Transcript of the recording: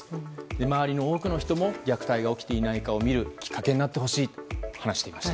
周りの多くの人も虐待が起きていないかを見るきっかけになってほしいと話していました。